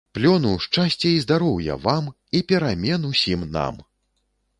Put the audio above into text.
Плёну, шчасця і здароўя, вам і перамен усім нам!